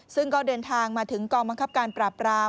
ซึ่งก็เดินทางมาถึงกองบังคับการปราบราม